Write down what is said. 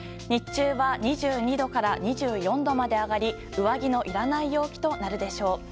日中は２２度から２４度まで上がり上着のいらない陽気となるでしょう。